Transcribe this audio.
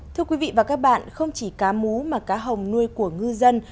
thưa quý vị và các bạn không chỉ cá mú mà cá hồng nuôi của ngư dân